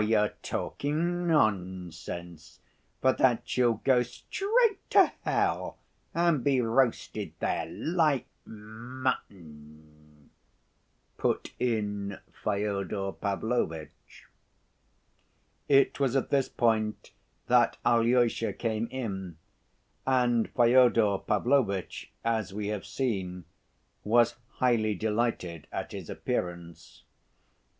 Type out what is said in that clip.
You're talking nonsense. For that you'll go straight to hell and be roasted there like mutton," put in Fyodor Pavlovitch. It was at this point that Alyosha came in, and Fyodor Pavlovitch, as we have seen, was highly delighted at his appearance.